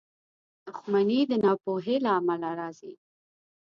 • دښمني د ناپوهۍ له امله راځي.